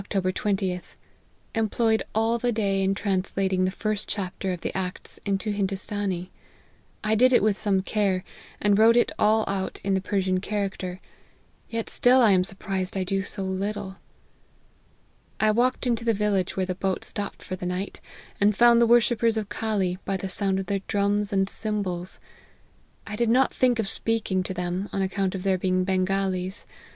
20th. Employed all the day in translat ing the first chapter of the Acts into Hindoostanee. I did it with some care, and wrote it all out in the Persian character ; yet still I am surprised I do so little. I walked into the village where the boat stopped for the night, and found the worshippers of Call by the sound of their drums and cymbals. I did not think of speaking to them, on account of their being Bengalees.